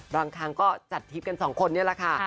บางครั้งก็จัดทิปซ์กัน๒คนเนี่ยล่ะค่ะ